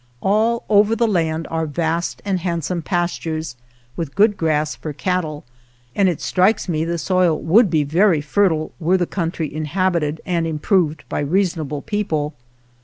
All over the land are vast and handsome pastures, with good grass for cattle, and it strikes me the soil would be very fertile were the country inhabited and improved by reasonable people.